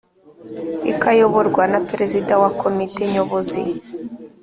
ikayoborwa na Perezida wa Komite Nyobozi